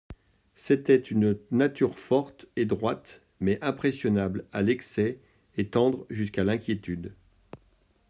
C'était une nature forte et droite, mais impressionnable à l'excès et tendre jusqu'à l'inquiétude.